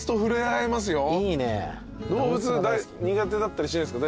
動物苦手だったりしないっすか？